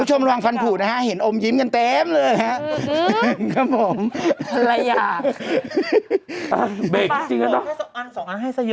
เจ็บกว่ากาญอยู่อันนี้